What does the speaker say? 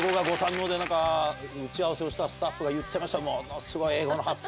打ち合わせをしたスタッフが言ってました。